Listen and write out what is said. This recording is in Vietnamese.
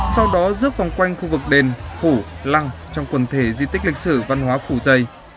sau đó rước vòng quanh khu vực đền phủ lăng trong quần thể di tích lịch sử văn hóa phủ dây